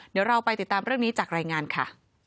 เดี๋ยวเราไปติดตามเรื่องนี้จากรายงานค่ะ